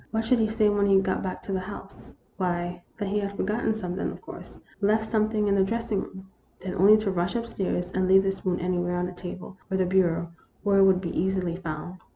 What should he say when he got back to the house ? Why, that he had for gotten something, of course ; left something in the dressing room. Then only to rush up stairs, and leave the spoon anywhere on the table or the bureau where it would be easily found.